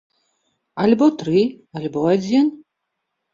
Альбо тры, альбо адзін.